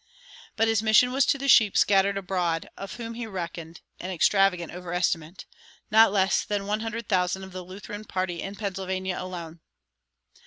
But his mission was to the sheep scattered abroad, of whom he reckoned (an extravagant overestimate) not less than one hundred thousand of the Lutheran party in Pennsylvania alone.